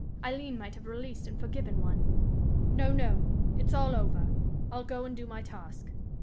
Aileen might have released and forgiven one. "No, no! It's all over! I'll go and do my task.